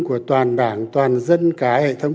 của toàn đảng toàn dân cả hệ thống